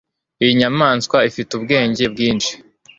Iyi nyamaswa ifite ubwenge bwinshi